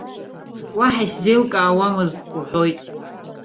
Уаҳа изеилкаауамызт уҳәоит.